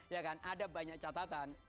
ya kan ada banyak catatan